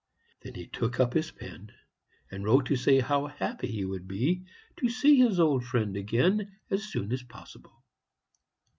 Then he took up his pen and wrote to say how happy he would be to see his old friend again as soon as possible.